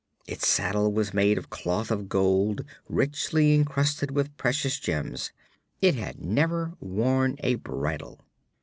Its saddle was made of cloth of gold richly encrusted with precious gems. It had never worn a bridle.